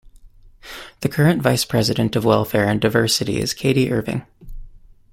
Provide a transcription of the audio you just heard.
The current Vice President of Welfare and Diversity is Katie Irving.